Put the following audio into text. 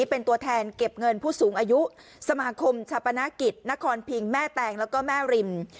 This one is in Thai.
เป็นตัวแทนเก็บเงินผู้สูงอายุสมาคมชาปนกิจนครพิงแม่แตงแล้วก็แม่ริม